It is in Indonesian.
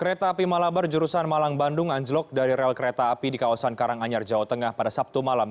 kereta api malabar jurusan malang bandung anjlok dari rel kereta api di kawasan karanganyar jawa tengah pada sabtu malam